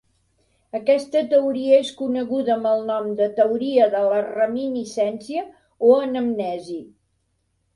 Aquesta teoria és coneguda amb el nom de teoria de la reminiscència o anamnesi.